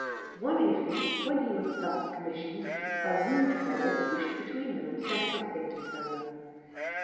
One evening when he was thus commissioned, a rude fellow pushed between them, and said something to Isola.